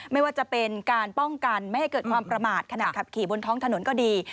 ไม่ว่าจะเป็นการป้องกันไม่ให้เกิดความประมาทขณะขับขี่บนท้องถนนก็ดี